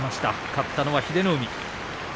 勝ったのは英乃海。